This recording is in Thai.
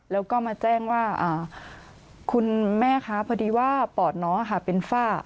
แล้วก็มาแจ้งว่าคุณแม่คะพอดีว่าปอดน้องเป็นฝ้า